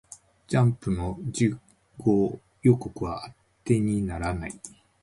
ジャンプの次号予告は当てにならない